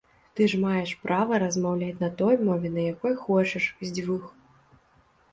Ты ж маеш права размаўляць на той мове, на якой хочаш, з дзвюх.